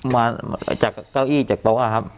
มาจากเก้าอี้จากโต๊ะครับ